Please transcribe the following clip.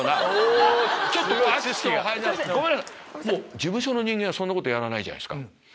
事務所の人間はそんなことやらないじゃないですか。